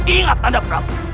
ingat nanda prabu